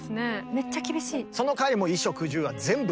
めっちゃ厳しい。